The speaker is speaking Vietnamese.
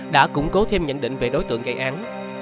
đã củng cố thêm nhận định về đối tượng gây án